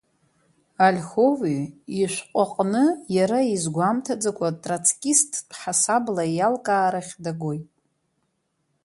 Ольхови ишәҟәы аҟны иара изгәамҭаӡакәа троцкисттә ҳасабла иалкаарахь дагоит.